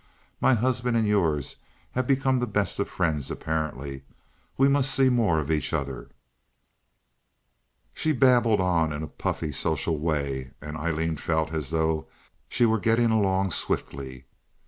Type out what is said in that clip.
"My husband and yours have become the best of friends, apparently. We must see more of each other." She babbled on in a puffy social way, and Aileen felt as though she were getting along swiftly.